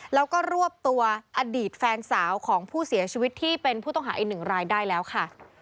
แล้วก็รวบตัวอดีตแฟนสาวของผู้เสียชีวิตที่เป็นผู้ต้องหาอีกหนึ่งรายได้แล้วค่ะ